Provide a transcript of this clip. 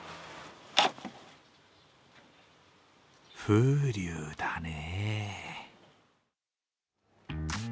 風流だね。